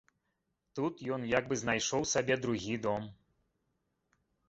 Тут ён як бы знайшоў сабе другі дом.